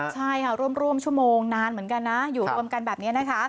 ใช่ค่ะร่วมชั่วโมงนานเหมือนกันนะอยู่รวมกันแบบนี้นะคะ